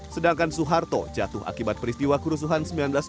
sedangkan soeharto jatuh akibat peristiwa kerusuhan seribu sembilan ratus sembilan puluh